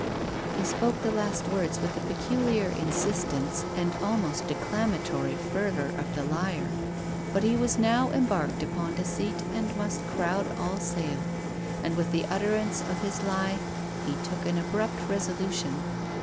He spoke the last words with the peculiar insis tence and almost declamatory fervour of the liar. But he was now embarked upon deceit and must crowd all sail. And with the utterance of his lie he took an abrupt resolution.